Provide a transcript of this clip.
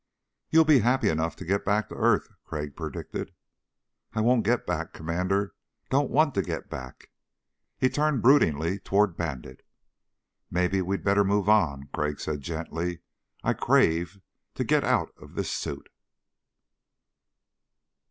"You'll be happy enough to get back to earth," Crag predicted. "I won't get back, Commander. Don't want to get back." He turned broodingly toward Bandit. "Maybe we'd better move on," Crag said gently. "I crave to get out of this suit."